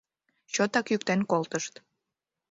Чотак йӱктен колтышт.